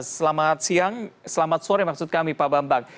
selamat siang selamat sore maksud kami pak bambang